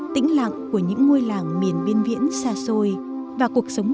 tĩnh lặng của những ngôi làng miền biên viễn xa xôi và cuộc sống